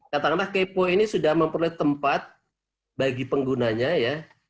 katakanlah kepo ini sudah memperoleh tempat bagi penggunanya ya